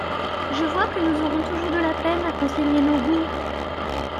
Je vois que nous aurons toujours de la peine à concilier nos goûts!